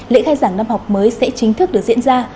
lễ khai giảng năm học mới sẽ chính thức được diễn ra